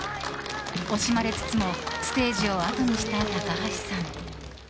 惜しまれつつもステージをあとにした高橋さん。